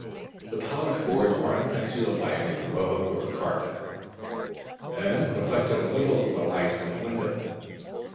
The polished boards were unconcealed by any rug or carpet, and reflected a little of the light from the window.